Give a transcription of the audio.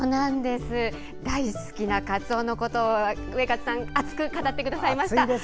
大好きなかつおのことをウエカツさん熱く語ってくれました！